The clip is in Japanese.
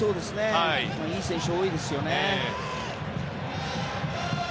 いい選手多いですよね。